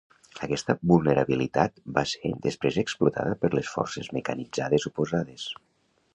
Aquesta vulnerabilitat va ser després explotada per les forces mecanitzades oposades.